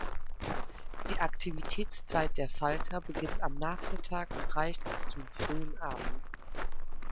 Die Aktivitätszeit der Falter beginnt am Nachmittag und reicht bis zum frühen Abend.